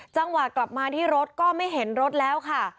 จังหวะกลับมาที่รถก็ไม่เห็นรถแล้วค่ะ